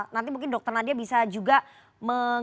nanti mungkin dokter nadia bisa juga menguatkan apa yang disampaikan